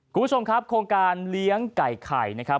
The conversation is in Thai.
คุณผู้ชมครับโครงการเลี้ยงไก่ไข่นะครับ